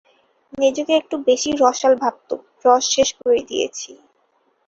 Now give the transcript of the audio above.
নিজেকে একটু বেশি রসাল ভাবত, রস শেষ করে দিয়েছি।